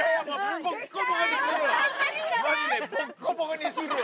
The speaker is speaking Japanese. ぼっこぼこにするわ。